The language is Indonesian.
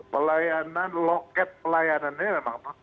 pelayanan loket pelayanannya memang